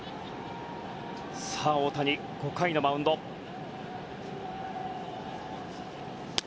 大谷、５回のマウンドです。